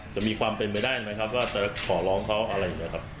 จะมีความเป็นไปได้ไหมครับว่าจะขอร้องเขาอะไรอย่างนี้ครับ